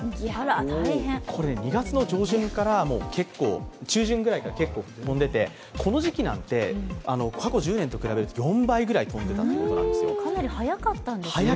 ２月中旬ぐらいから結構飛んでいてこの時季なんて過去１０年と比べると４倍くらい飛んでたということです早かったんです。